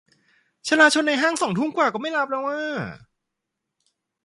ชลาชลในห้างสองทุ่มกว่าก็ไม่รับแล้วอะ